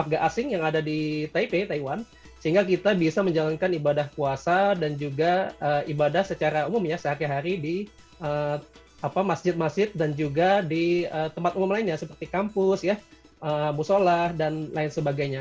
warga asing yang ada di taipei taiwan sehingga kita bisa menjalankan ibadah puasa dan juga ibadah secara umum ya sehari hari di masjid masjid dan juga di tempat umum lainnya seperti kampus musola dan lain sebagainya